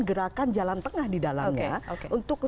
gerakan jalan tengah di dalamnya untuk